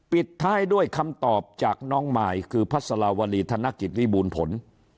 ปิดท้ายด้วยคำตอบจากน้องมายคือพระสลาวรีธนกิจวิบูรณ์ผล